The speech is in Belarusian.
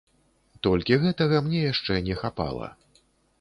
Толькі гэтага мне яшчэ не хапала!